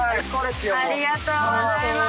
ありがとうございます。